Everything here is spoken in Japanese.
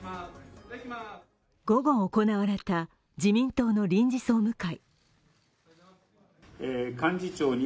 午後行われた自民党の臨時総務会。